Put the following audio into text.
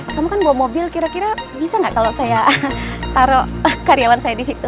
kamu kan bawa mobil kira kira bisa nggak kalau saya taruh karyawan saya di situ